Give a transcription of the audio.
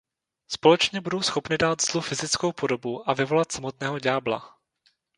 Společně budou schopny dát zlu fyzickou podobu a vyvolat samotného ďábla.